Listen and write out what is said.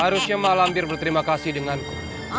harusnya malambir berterima kasih denganku